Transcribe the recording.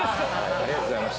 ありがとうございます。